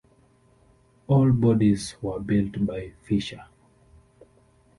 All bodies were built by Fisher.